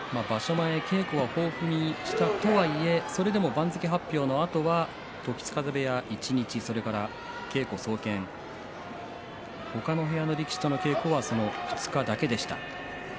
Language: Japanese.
前稽古は豊富にしたとはいえそれでも番付発表のあとは時津風部屋に一日稽古総見、他の部屋の力士との稽古はその２日間だけでした。